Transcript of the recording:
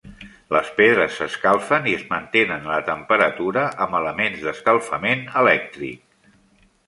Les pedres s'escalfen i es mantenen a la temperatura amb elements d'escalfament elèctric.